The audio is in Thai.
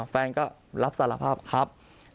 แฟนก็รับสารภาพครับ